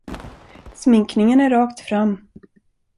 Sminkningen är rakt fram.